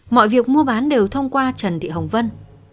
mọi việc mua bán đều thông qua trần thị hồng vân